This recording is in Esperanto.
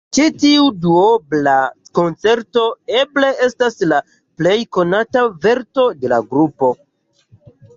Ĉi tiu duobla konĉerto eble estas la plej konata verko de la grupo.